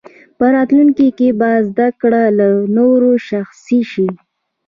په راتلونکي کې به زده کړه لا نوره شخصي شي.